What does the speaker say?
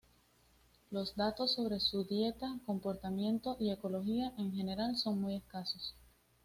Los datos sobre su dieta, comportamiento y ecología en general son muy escasos.